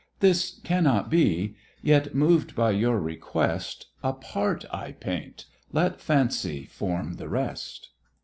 This cannot be; yet moved by your request A part I paint let Fancy form the rest.